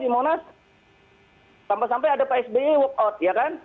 di monas sampai sampai ada psb walk out ya kan